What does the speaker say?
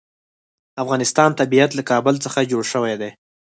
د افغانستان طبیعت له کابل څخه جوړ شوی دی.